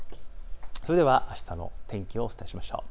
それでは、あしたの天気をお伝えしましょう。